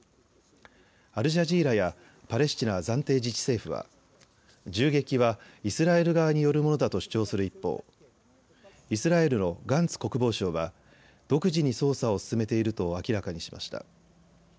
アルジャジーラやパレスチナ暫定自治政府は銃撃はイスラエル側によるものだと主張する一方イスラエルのガンツ国防相は独自に捜査を進めていると明らかにしました。